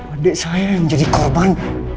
adik saya yang menjadi korban